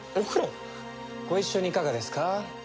ご一緒にいかがですか？